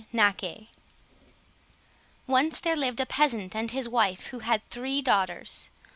Naaké Once there lived a peasant and his wife who had three daughters.